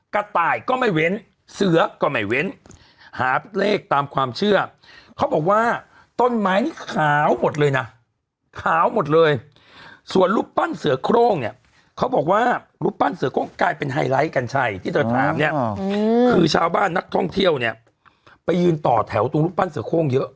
กระต่ายก็ไม่เว้นเสือก็ไม่เว้นหาเลขตามความเชื่อเขาบอกว่าต้นไม้นี่ขาวหมดเลยนะขาวหมดเลยส่วนรูปปั้นเสือโครงเนี่ยเขาบอกว่ารูปปั้นเสือโครงกลายเป็นไฮไลท์กัญชัยที่เธอถามเนี่ยคือชาวบ้านนักท่องเที่ยวเนี่ยไปยืนต่อแถวตรงรูปปั้นเสือโครงเยอะ